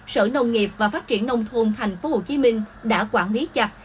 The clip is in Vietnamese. sở nông nghiệp và phát triển nông thôn thành phố hồ chí minh đã quản lý chặt